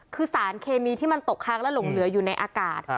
คือสารเคมีที่มันตกค้างและหลงเหลืออยู่ในอากาศ